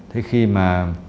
thế khi mà